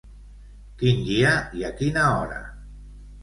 Quin dia i a quina hora?